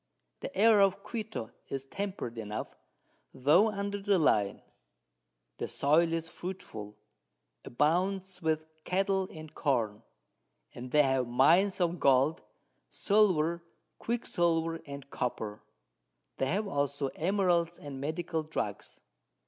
The Air of Quito is temperate enough, tho' under the Line; the Soil is fruitful, abounds with Cattle and Corn, and they have Mines of Gold, Silver, Quick silver and Copper; they have also Emeralds and Medicinal Drugs.